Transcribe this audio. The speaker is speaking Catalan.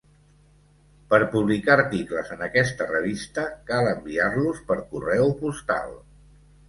Per publicar articles en aquesta revista, cal enviar-los per correu postal.